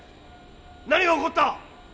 何が起こった！？